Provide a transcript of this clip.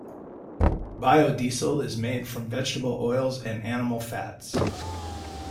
Biodiesel is made from vegetable oils and animal fats.